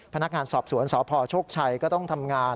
พนักงานสอบสวนสพโชคชัยก็ต้องทำงาน